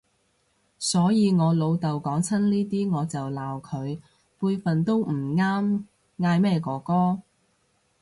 所以我老豆講親呢啲我就鬧佢，輩份都唔啱嗌咩哥哥